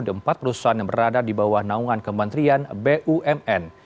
di empat perusahaan yang berada di bawah naungan kementerian bumn